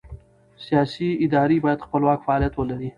سیاسي ادارې باید خپلواک فعالیت ولري